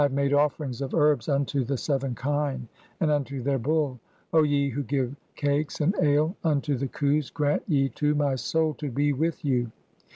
"thee, O my lord Ra. I have made offerings of herbs unto the seven kine "and unto their bull. O ye who give cakes and ale unto the Khus, grant "ye to my soul to be with you.